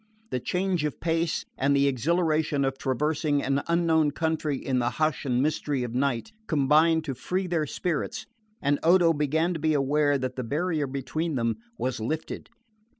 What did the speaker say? The change of pace, and the exhilaration of traversing an unknown country in the hush and mystery of night, combined to free their spirits, and Odo began to be aware that the barrier between them was lifted.